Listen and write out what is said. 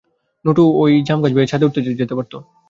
নুটু ঐ জামগাছ বেয়ে ছাদে উঠে যেতে পারত।